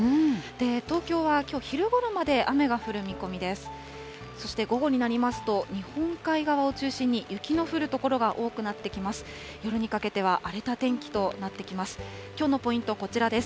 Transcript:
東京はきょう昼ごろまで雨が降る見込みです。